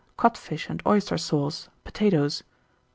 Codfish and oyster sauce, potatoes.